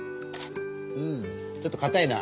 うんちょっとかたいな。